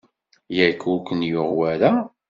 Yak ur ken-yuɣ wara?